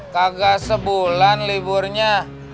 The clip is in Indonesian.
kagak sebulan liburnya